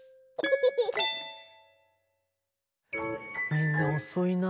みんなおそいな。